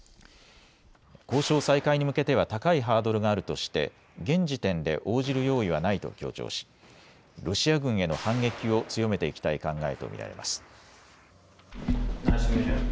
交渉再開に向けては高いハードルがあるとして現時点で応じる用意はないと強調し、ロシア軍への反撃を強めていきたい考えと見られます。